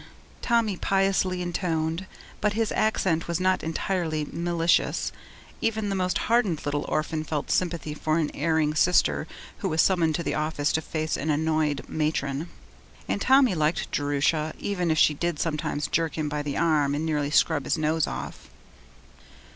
Tommy piously intoned, but his accent was not entirely malicious. Even the most hardened little orphan felt sympathy for an erring sister who was summoned to the office to face an annoyed matron; and Tommy liked Jerusha even if she did sometimes jerk him by the arm and nearly scrub his nose off.